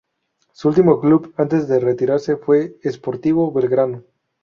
Su último club antes de retirarse fue Sportivo Belgrano.